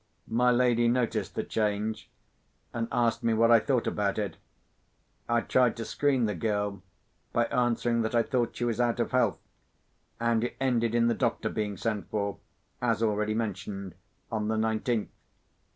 My lady noticed the change, and asked me what I thought about it. I tried to screen the girl by answering that I thought she was out of health; and it ended in the doctor being sent for, as already mentioned, on the nineteenth.